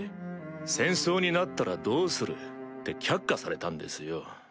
「戦争になったらどうする？」って却下されたんですよ。